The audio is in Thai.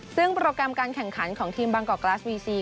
ซึ่งโปรแกรมการแข่งขันของทีมบางกอกกราสวีซี